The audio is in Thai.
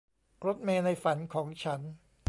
รถเมล์ในฝันของฉัน